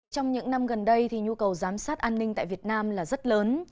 trong những năm gần đây nhu cầu giám sát an ninh tại việt nam là rất lớn